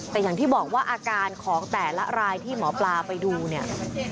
แต่อย่างที่บอกว่าอาการของแต่ละรายที่หมอปลาไปดูเนี่ย